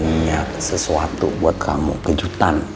ovan punya sesuatu buat kamu kejutan